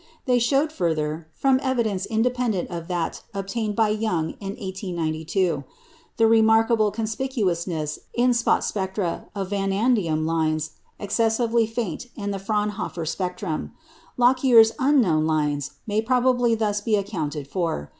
They showed further from evidence independent of that obtained by Young in 1892 the remarkable conspicuousness in spot spectra of vanadium lines excessively faint in the Fraunhofer spectrum. Lockyer's "unknown lines" may probably thus be accounted for.